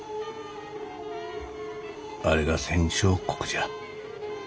あれが戦勝国じゃ。